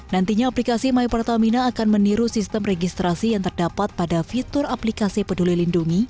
nantinya aplikasi mypertamina akan meniru sistem registrasi yang terdapat pada fitur aplikasi peduli lindungi